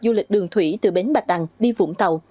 du lịch đường thủy từ bến bạch đằng đi vũng tàu